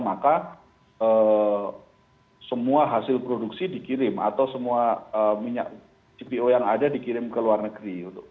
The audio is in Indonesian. maka semua hasil produksi dikirim atau semua minyak cpo yang ada dikirim ke luar negeri